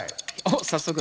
早速。